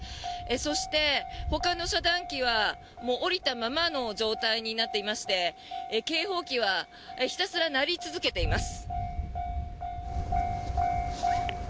そして、ほかの遮断機は下りたままの状態になっていまして警報機はひたすら鳴り続けています。